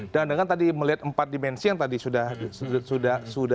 dengan tadi melihat empat dimensi yang tadi sudah